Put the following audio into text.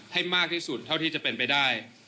ให้มากที่สุดเท่าที่จะเป็นไปได้